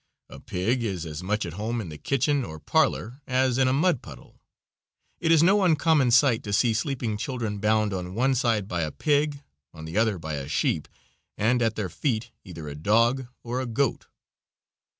A pig is as much at home in the kitchen or parlor as in a mud puddle. It is no uncommon sight to see sleeping children bound on one side by a pig, on the other by a sheep, and at their feet either a dog or a goat.